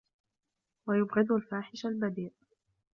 وَيُبْغِضُ الْفَاحِشَ الْبَذِيءُ